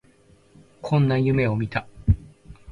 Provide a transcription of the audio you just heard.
こんな夢を見た